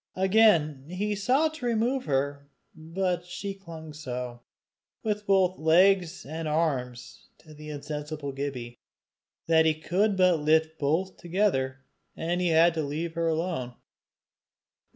Again he sought to remove her, but she clung so, with both legs and arms, to the insensible Gibbie, that he could but lift both together, and had to leave her alone.